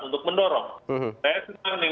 untuk mendorong saya sekarang